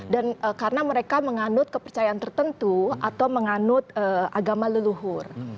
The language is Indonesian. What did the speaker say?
dan karena mereka menganut kepercayaan tertentu atau menganut agama leluhur